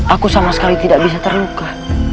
aku sama sekali tidak bisa terluka